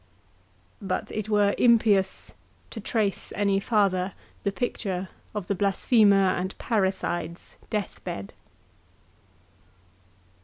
—" But it were impious to trace any farther the picture of the blasphemer and parricide's deathbed.